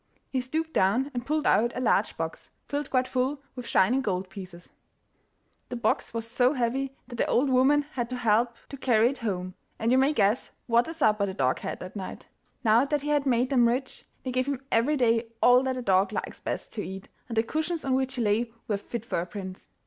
He stooped down and pulled out a large box, filled quite full with shining gold pieces. The box was so heavy that the old woman had to help to carry it home, and you may guess what a supper the dog had that night! Now that he had made them rich, they gave him every day all that a dog likes best to eat, and the cushions on which he lay were fit for a prince.